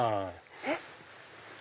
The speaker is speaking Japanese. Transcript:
えっ？